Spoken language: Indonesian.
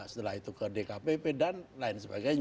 setelah itu ke dkpp dan lain sebagainya